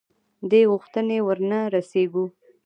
دې غوښتنې ورنه رسېږو.